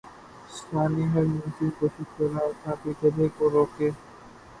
شانی ہر ممکن کوشش کر رہا تھا کہ گدھے کو روکے